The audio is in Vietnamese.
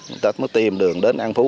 người ta mới tìm đường đến an phú